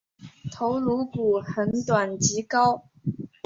头颅骨很短及高。